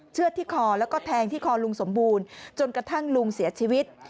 ดที่คอแล้วก็แทงที่คอลุงสมบูรณ์จนกระทั่งลุงเสียชีวิต